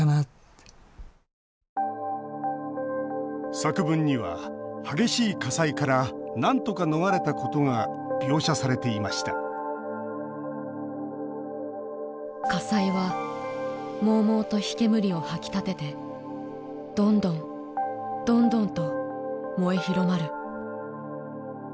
作文には激しい火災からなんとか逃れたことが描写されていました「火災は、猛々と火煙をはき立ててどんどんともえ廣まる。